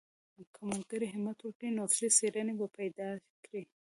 که ملګري همت وکړي نو اصلي څېړنې به پیدا کړي.